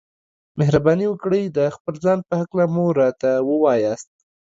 مهرباني وکړئ د خپل ځان په هکله مو راته ووياست.